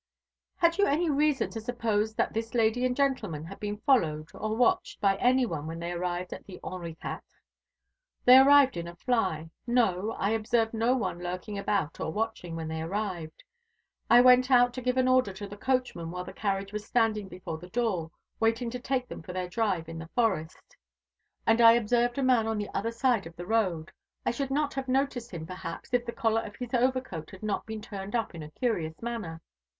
"Had you any reason to suppose that this lady and gentleman had been followed or watched, by any one when they arrived at the Henri Quatre?" "They arrived in a fly. No; I observed no one lurking about or watching when they arrived. I went out to give an order to the coachman while the carriage was standing before the door, waiting to take them for their drive in the forest; and I observed a man on the other side of the road. I should not have noticed him, perhaps, if the collar of his overcoat had not been turned up in a curious manner.